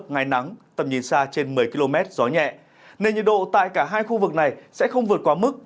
ngày nắng tầm nhìn xa trên một mươi km gió nhẹ nên nhiệt độ tại cả hai khu vực này sẽ không vượt qua mức